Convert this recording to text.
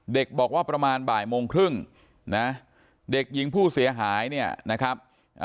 เด็กบอกว่าประมาณบ่ายโมงครึ่งนะเด็กหญิงผู้เสียหายเนี่ยนะครับ